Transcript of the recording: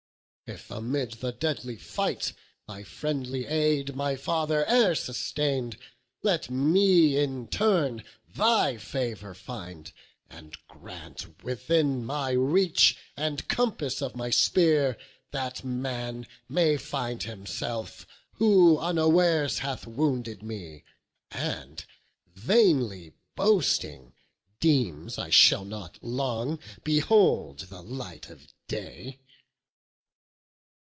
if amid the deadly fight Thy friendly aid my father e'er sustain'd, Let me in turn thy favour find; and grant Within my reach and compass of my spear That man may find himself, who unawares Hath wounded me, and vainly boasting deems I shall not long behold the light of day."